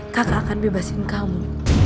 kakak akan bebasin kamu